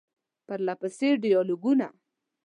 پرله پسې ډیالوګونه ،